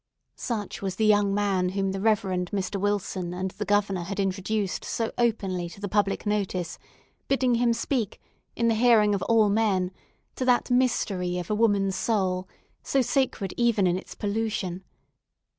Such was the young man whom the Reverend Mr. Wilson and the Governor had introduced so openly to the public notice, bidding him speak, in the hearing of all men, to that mystery of a woman's soul, so sacred even in its pollution.